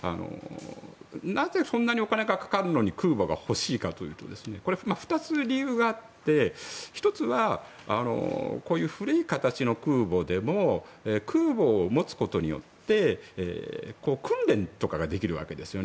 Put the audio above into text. なぜ、そんなにお金がかかるのに空母が欲しいかというとこれは２つ理由があって１つは古い形の空母でも空母を持つことによって訓練とかができるわけですね。